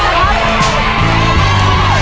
สุดท้ายแล้วครับ